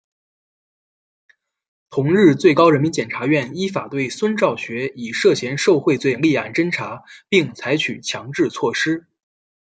同日最高人民检察院依法对孙兆学以涉嫌受贿罪立案侦查并采取强制措施。